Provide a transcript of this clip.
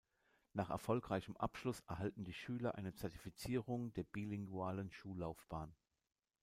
Nach erfolgreichem Abschluss erhalten die Schüler eine Zertifizierung der bilingualen Schullaufbahn.